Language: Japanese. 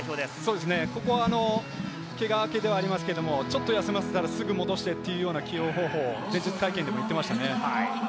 ここは怪我明けではありますが、ちょっと休ませたら、すぐ戻してっていうような起用方法、記者会見でも言ってましたね。